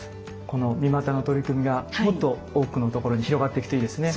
この三股の取り組みがもっと多くのところに広がっていくといいですね。